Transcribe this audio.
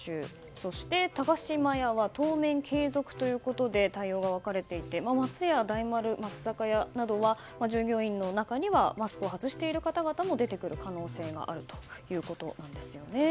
そして高島屋は当面継続ということで対応が分かれていて松屋、大丸松坂屋などは従業員の中にはマスクを外している方々も出てくる可能性があるということです。